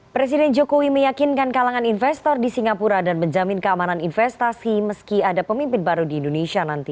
presiden jokowi meyakinkan kalangan investor di singapura dan menjamin keamanan investasi meski ada pemimpin baru di indonesia nanti